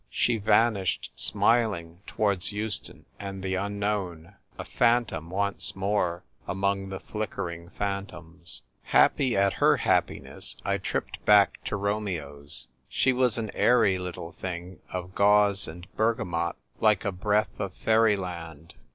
She vanished, smiling, towards Euston and the Unknown, a phantom once more among the flickering phantoms. l66 THE TYPE WRITER GIRL. Happy at her happiness, I tripped back to Flomeo's. She was an airy little thing of gauze and bergamot, like a breath of fairy land.